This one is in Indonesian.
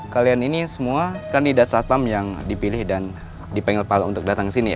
kalian ini semua kandidat satpam yang dipilih dan dipeng palu untuk datang ke sini ya